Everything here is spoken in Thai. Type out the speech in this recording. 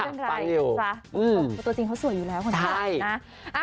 ไม่เป็นไรค่ะเพราะตัวจริงเขาสวยอยู่แล้วคุณผู้ชม